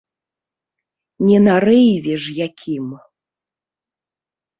Не на рэйве ж якім.